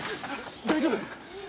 大丈夫！？